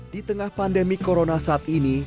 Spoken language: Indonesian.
di tengah pandemi corona saat ini